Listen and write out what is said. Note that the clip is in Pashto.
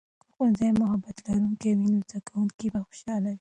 که ښوونځی محبت لرونکی وي، نو زده کوونکي به خوشاله وي.